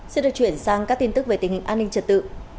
xin được chuyển sang các tin tức về tình hình an ninh trật tự